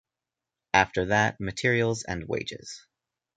After that, materials and wages.